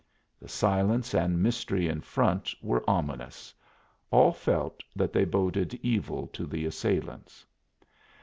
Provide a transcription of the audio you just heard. The silence and mystery in front were ominous; all felt that they boded evil to the assailants.